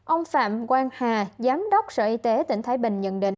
ông phạm quang hà giám đốc sở y tế tỉnh thái bình nhận định